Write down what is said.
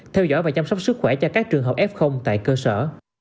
theo dõi và chăm sóc sức khỏe cho các trường hợp f tại cơ sở